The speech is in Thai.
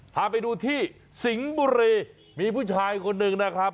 พาไปดูที่สิงห์บุรีมีผู้ชายคนหนึ่งนะครับ